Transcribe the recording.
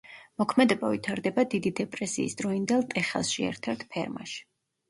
მოქმედება ვითარდება დიდი დეპრესიის დროინდელ ტეხასში, ერთ-ერთ ფერმაში.